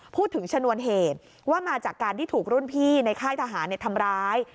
ชนวนเหตุว่ามาจากการที่ถูกรุ่นพี่ในค่ายทหารทำร้าย